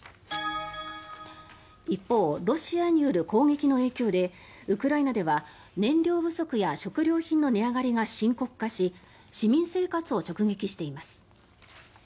一方、ロシアによる攻撃の影響でウクライナでは燃料不足や食料品の値上がりが深刻化し市民生活を直撃しています。